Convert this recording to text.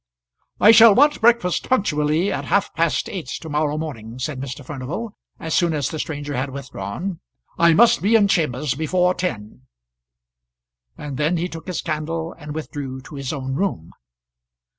"I shall want breakfast punctually at half past eight to morrow morning," said Mr. Furnival, as soon as the stranger had withdrawn. "I must be in chambers before ten;" and then he took his candle and withdrew to his own room.